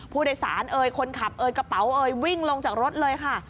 ผู้โดยสารคนขับกระเป๋าวิ่งลงจากรถเลยค่ะ